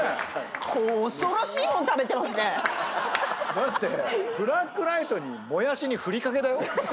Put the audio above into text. だってブラックライトにもやしにふりかけだよ